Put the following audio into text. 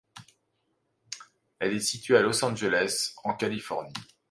Elle est située à Los Angeles, en Californie.